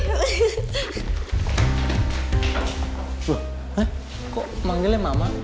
loh kok manggilnya mama